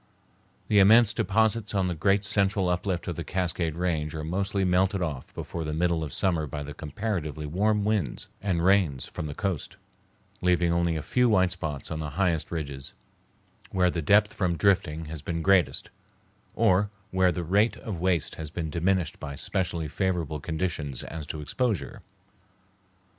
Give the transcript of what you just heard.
The immense deposits on the great central uplift of the Cascade Range are mostly melted off before the middle of summer by the comparatively warm winds and rains from the coast, leaving only a few white spots on the highest ridges, where the depth from drifting has been greatest, or where the rate of waste has been diminished by specially favorable conditions as to exposure.